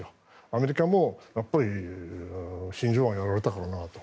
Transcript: アメリカも、やっぱり真珠湾やられたからなと。